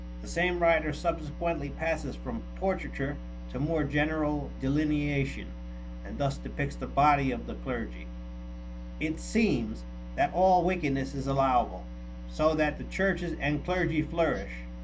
The same writer subsequently passes from portraiture to more general delineation, and thus depicts the body of the clergy: "It seems that all wickedness is allowable, so that the churches and clergy flourish.